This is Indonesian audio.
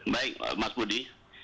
baik mas budi